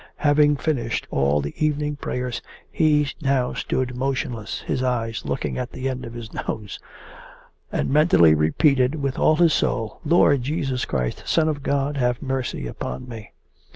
Having finished all the evening prayers, he now stood motionless, his eyes looking at the end of his nose, and mentally repeated with all his soul: 'Lord Jesus Christ, Son of God, have mercy upon me!